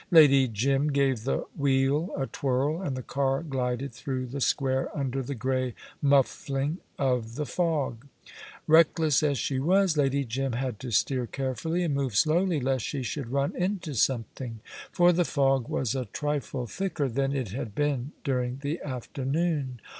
Lady Jim gave the wheel a twirl, and the car glided through the square under the grey muffling of the fog. Reckless as she was, Lady Jim had to steer carefully and move slowly, lest she should run into something, for the fog was a trifle thicker than it had been during the afternoon.